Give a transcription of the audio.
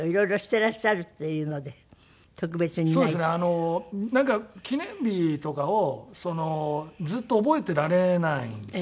あのなんか記念日とかをずっと覚えていられないんですよね。